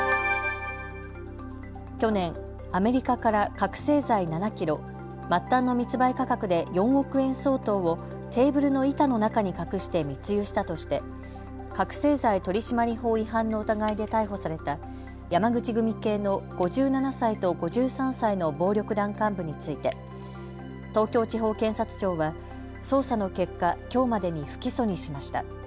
去年、アメリカから覚醒剤７キロ末端の密売価格で４億円相当をテーブルの板の中に隠して密輸したとして覚醒剤取締法違反の疑いで逮捕された山口組系の５７歳と５３歳の暴力団幹部について東京地方検察庁は捜査の結果、きょうまでに不起訴にしました。